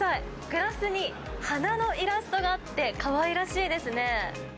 グラスに花のイラストがあって、かわいらしいですね。